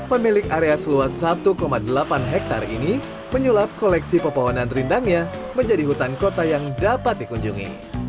pemilik area seluas satu delapan hektare ini menyulap koleksi pepohonan rindangnya menjadi hutan kota yang dapat dikunjungi